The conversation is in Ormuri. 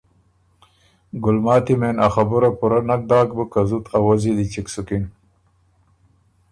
ګلماتي مېن ا خبُره پُورۀ نک داک بُک که زُت آوزّي دی چَګ سُکِن